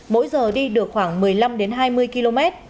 mỗi giờ đi được khoảng một mươi năm đến hai mươi km